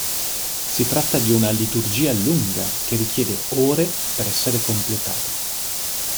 Si tratta di una liturgia lunga, che richiede ore per essere completata.